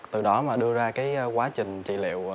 từ đó đưa ra quá trình trị liệu